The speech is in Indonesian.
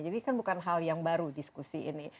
jadi kan bukan hal yang baru diskusi ini